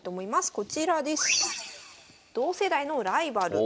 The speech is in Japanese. こちらです。